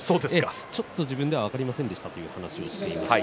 ちょっと自分では分かりませんでしたと話をしていました。